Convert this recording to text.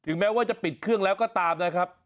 แม้ว่าจะปิดเครื่องแล้วก็ตามนะครับ